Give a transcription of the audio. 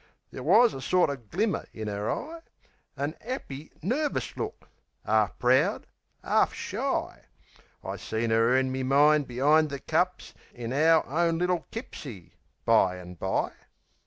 There wus a sorter glimmer in 'er eye, An 'appy, nervis look, 'arf proud, 'arf shy; I seen 'er in me mind be'ind the cups In our own little kipsie, bye an' bye.